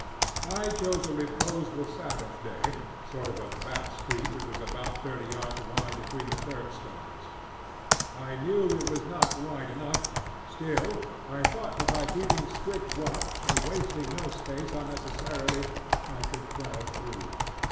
I chose a reposeful Sabbath day sort of a back street which was about thirty yards wide between the curbstones. I knew it was not wide enough; still, I thought that by keeping strict watch and wasting no space unnecessarily I could crowd through.